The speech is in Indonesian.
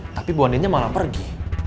tapi ibu andinnya malah pergi